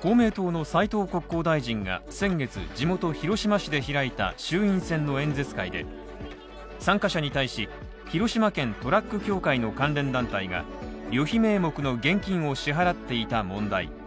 公明党の斉藤国交大臣が先月、地元広島市で開いた衆院選の演説会で参加者に対し、広島県トラック協会の関連団体が旅費名目の現金を支払っていた問題。